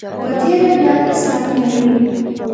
په تېره بیا اسلامي نړۍ.